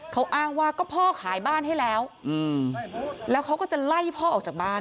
เขาอ้างว่าก็พ่อขายบ้านให้แล้วแล้วเขาก็จะไล่พ่อออกจากบ้าน